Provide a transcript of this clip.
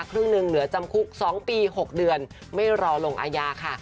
ครึ่งหนึ่งเหลือจำคุก๒ปี๖เดือนไม่รอลงอาญาค่ะ